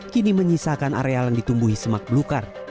kini menyisakan areal yang ditumbuhi semak belukar